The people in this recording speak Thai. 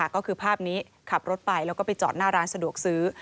ก็คือภาพนี้ขับรถไปแล้วก็ไปจอดหน้าร้านสะดวกซื้อ